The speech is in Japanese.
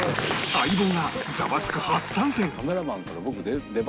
『相棒』が『ザワつく！』初参戦！